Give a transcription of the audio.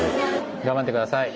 頑張って下さい。